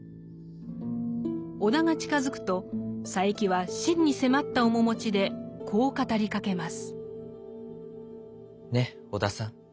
尾田が近づくと佐柄木は真に迫った面持ちでこう語りかけます。